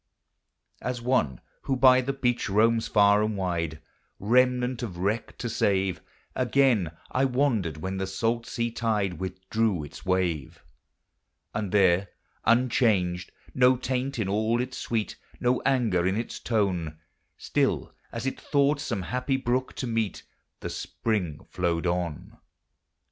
As one who bv the beach roams far and wide, Remnant of wreck to save, Again I wandered when the salt sea tide Withdrew its wave; And there, unchanged, no taint in all its sweet, No anger in its tone, Still as it thought some happy brook to meet, The spring flowed on.